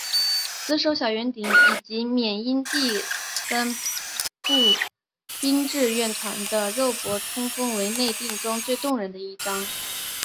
死守小圆顶以及缅因第廿步兵志愿团的肉搏冲锋为内战中最动人的一章。